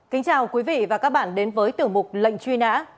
kính chào quý vị và các bạn đến với tiểu mục lệnh truy nã